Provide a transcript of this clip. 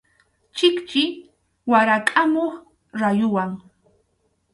Chikchi warakʼamuq rayuwan.